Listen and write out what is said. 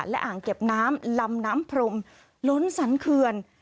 และอ่างเก็บน้ำลำน้ำพรมล้นสันเคือน